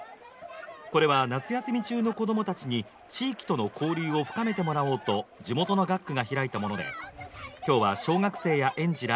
これは夏休み中の子供たちに地域との交流を深めてもらおうと地元の学区が開いたもので、今日は小学生や園児ら